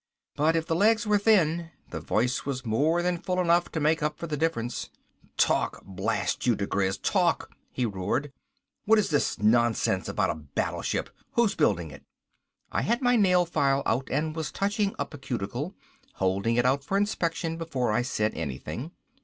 But if the legs were thin, the voice was more than full enough to make up for the difference. "Talk, blast you diGriz talk!" he roared. "What is this nonsense about a battleship? Who's building it?" I had my nail file out and was touching up a cuticle, holding it out for inspection before I said anything.